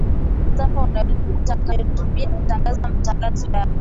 utapata masafa utakayotumia kutangaza matangazo yako